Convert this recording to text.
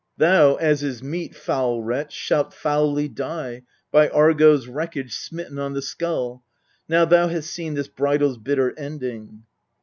Thou, as is meet, foul wretch, shalt foully die, By Argo's wreckage smitten on the skull, Now thou hast seen this bridal's bitter ending.